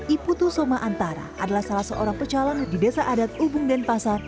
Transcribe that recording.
i putusoma antara adalah salah seorang pecalang di desa adat ubung denpasar